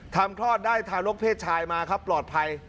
คลอดได้ทารกเพศชายมาครับปลอดภัย